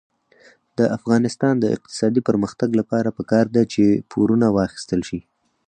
د افغانستان د اقتصادي پرمختګ لپاره پکار ده چې پورونه واخیستل شي.